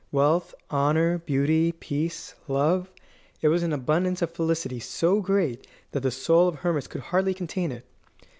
Wealth, honour, beauty, peace, love it was an abundance of felicity so great that the soul of Hermas could hardly contain it.